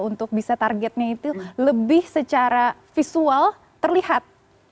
untuk bisa targetnya itu lebih secara visual terlihat